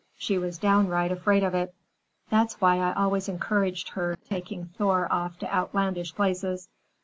She was downright afraid of it. That's why I always encouraged her taking Thor off to outlandish places.